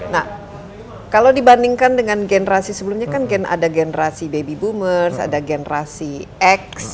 nah kalau dibandingkan dengan generasi sebelumnya kan ada generasi baby boomers ada generasi x